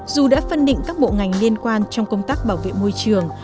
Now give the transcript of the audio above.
dù đã phân định các bộ ngành liên quan trong công tác bảo vệ môi trường